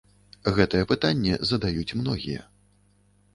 Гэтае пытанне задаюць многія.